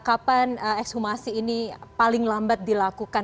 kapan ekshumasi ini paling lambat dilakukan